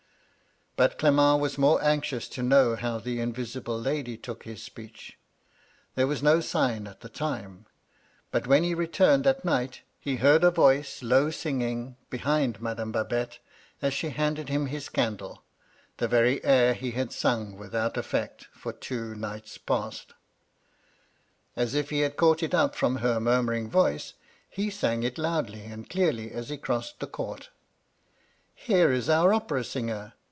^' But Clement was more anxious to know how the invisible lady took his speecL There was no sign at the time. But when he returned at night, he heard a vmce, low singing, behind Madame Babette, as she handed him his candle, the very air he had sung with out effect for two nights past As if he had caught it up from her murmuring voice, he sang it loudly and clearly as he crossed the court "* Here is our opera singer